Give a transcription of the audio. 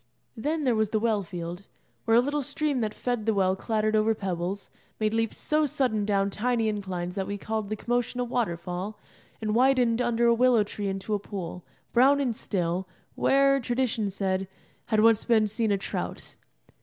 Then there was the well field, where a little stream that fed the well clattered over pebbles, made leaps so sudden down tiny inclines that we called the commotion a waterfall, and widened under a willow tree into a pool, brown and still, where, tradition said, had once been seen a trout.